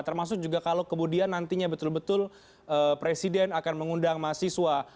termasuk juga kalau kemudian nantinya betul betul presiden akan mengundang mahasiswa